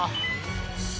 す